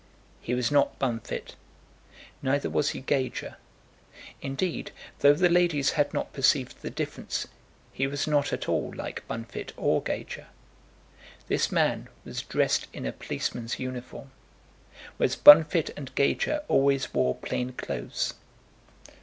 He was not Bunfit; neither was he Gager. Indeed, though the ladies had not perceived the difference, he was not at all like Bunfit or Gager. This man was dressed in a policeman's uniform, whereas Bunfit and Gager always wore plain clothes.